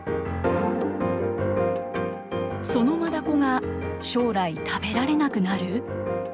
そのマダコが将来、食べられなくなる？